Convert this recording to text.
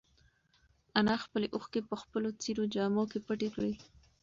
انا خپلې اوښکې په خپلو څېرو جامو کې پټې کړې.